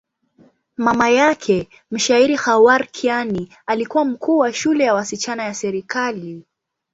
Mama yake, mshairi Khawar Kiani, alikuwa mkuu wa shule ya wasichana ya serikali.